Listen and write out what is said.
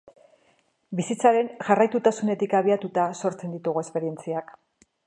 Bizitzaren jarraitutasunetik abiatuta sortzen ditugu esperientzia.